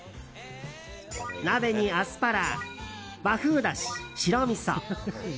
鍋にアスパラ、和風だし、白みそ。